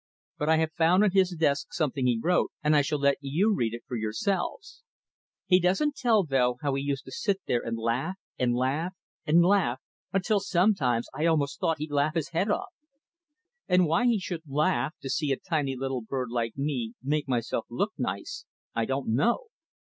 But I have found on his desk something he wrote, and I shall let you read it for yourselves. He doesn't tell, though, how he used to sit there and laugh and laugh and laugh, until sometimes I almost thought he'd laugh his head off. And why he should laugh to see a tiny little bird like me make myself look nice, I don't know.